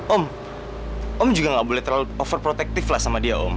om om juga gak boleh terlalu overprotective lah sama dia om